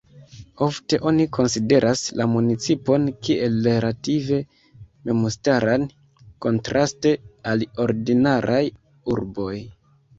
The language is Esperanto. Ofte oni konsideras la municipon kiel relative memstaran, kontraste al ordinaraj urboj.